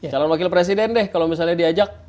calon wakil presiden deh kalau misalnya diajak